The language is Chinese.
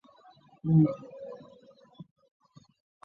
抗日战争期间参与创建民盟。